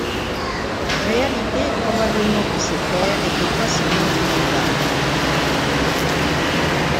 La réalité est probablement que ces terres étaient facilement inondables.